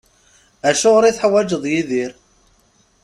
Acuɣer i teḥwaǧeḍ Yidir?